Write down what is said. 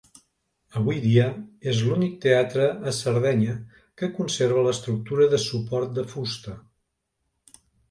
Avui dia és l'únic teatre a Sardenya que conserva l'estructura de suport de fusta.